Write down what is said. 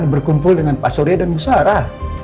dan berkumpul dengan pak surya dan musara